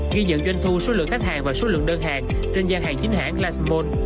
ghi dựng doanh thu số lượng khách hàng và số lượng đơn hàng trên gian hàng chính hãng lazamone